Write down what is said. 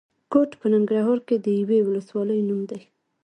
کوټ په ننګرهار کې د یوې ولسوالۍ نوم دی.